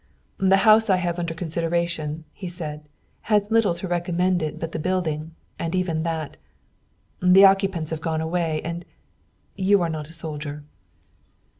"The house I have under consideration," he said, "has little to recommend it but the building, and even that The occupants have gone away, and you are not a soldier."